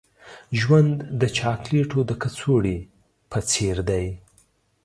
ژوند د چاکلیټو د کڅوړې په څیر دی.